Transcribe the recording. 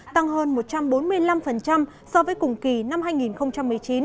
tăng hơn một trăm bốn mươi năm so với cùng kỳ năm hai nghìn một mươi chín